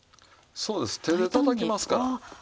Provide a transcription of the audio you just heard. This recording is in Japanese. そうです手でたたきますから。